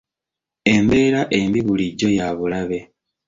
Embeera embi bulijjo ya bulabe.